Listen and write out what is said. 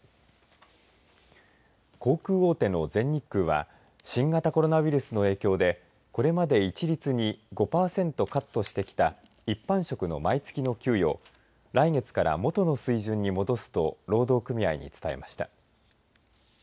航空大手の全日空は新型コロナウイルスの影響でこれまで一律に５パーセントカットしてきた一般職の毎月の給与を来月から元の水準に戻すと労働組合に伝えました。